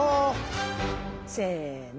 せの。